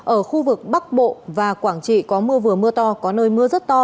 ở khu vực bắc bộ và quảng trị có mưa vừa mưa to có nơi mưa rất to